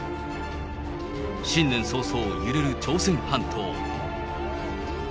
新年早々、揺れる朝鮮半島。